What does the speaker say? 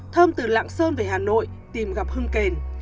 thơm từ lạng sơn về hà nội tìm gặp hương kền